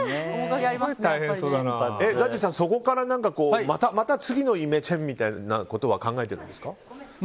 そこからまた次のイメチェンみたいなことは考えてるんですか？